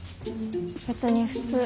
別に普通。